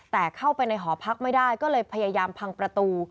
แต่เข้าไปในหอพักไม่ได้ก็เลยพยายามพังประตู